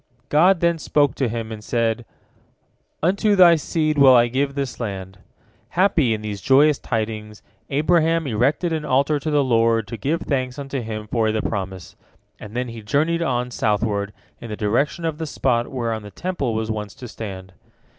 God then spoke to him, and said, "Unto thy seed will I give this land." Happy in these joyous tidings, Abraham erected an altar to the Lord to give thanks unto Him for the promise, and then he journeyed on, southward, in the direction of the spot whereon the Temple was once to stand.